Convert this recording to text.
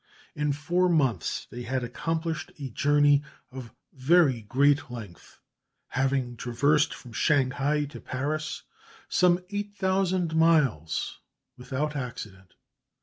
In four months they had accomplished a journey of very great length, having traversed from Shanghai to Paris, some 8,000 miles, without accident.